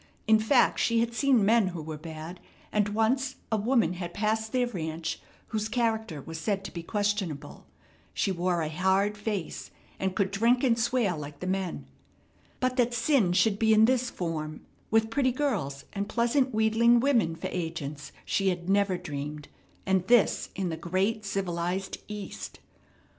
In fact, she had seen men who were bad, and once a woman had passed their ranch whose character was said to be questionable. She wore a hard face, and could drink and swear like the men. But that sin should be in this form, with pretty girls and pleasant, wheedling women for agents, she had never dreamed; and this in the great, civilized East!